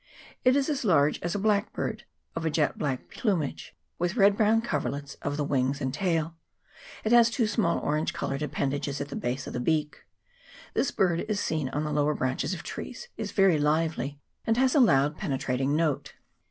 It is as large as a * V* blackbird, of a jet black plumage, with red brown coverlets of the wings and tail. It has two small orange coloured appendages at the base of the beak. This bird is seen on the lower branches of trees, is very lively, and has a loud penetrating note.